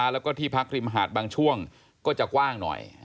แล้วก็ที่พักริมหาดบางช่วงก็จะกว้างหน่อย